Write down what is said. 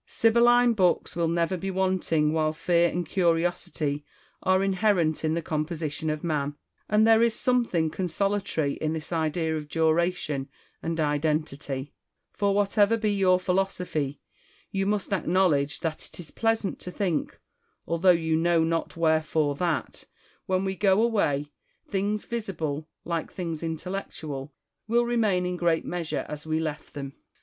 Sibylline books will never be wanting while fear and curiosity are inherent in the composition of man. And there is something consolatory in this idea of duration and identity ; for whatever be your philosophy, you must acknowledge that it is pleasant to think, although you know not wherefore, that, when we go away, things visible, like things intellectual, will remain in great measure as we left them.